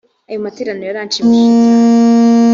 ayo materaniro yaranshimishije cyane